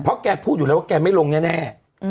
เพราะแกพูดอยู่แล้วว่าแกไม่ลงแน่